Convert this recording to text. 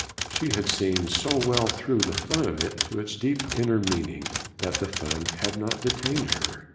She had seen so well through the fun to its deep inner meaning that the fun had not detained her.